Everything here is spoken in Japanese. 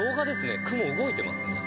雲動いてますね。